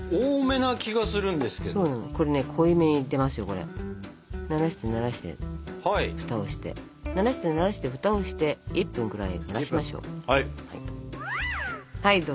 ならしてならして蓋をしてならしてならして蓋をして１分くらい蒸らしましょう。